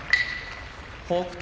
北勝